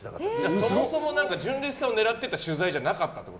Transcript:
そもそも純烈さんを狙ってた取材じゃなかったってこと？